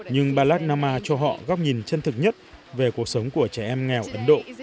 nhưng balad nama cho họ góc nhìn chân thực nhất về cuộc sống của trẻ em nghèo ấn độ